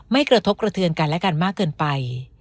กระทบกระเทือนกันและกันมากเกินไป